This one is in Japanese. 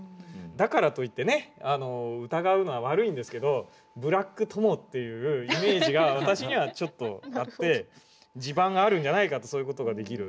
だからといってね疑うのは悪いんですけどブラック伴っていうイメージが私にはちょっとあって地盤があるんじゃないかとそういう事ができる。